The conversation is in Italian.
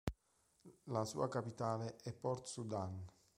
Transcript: La sua capitale è Port Sudan.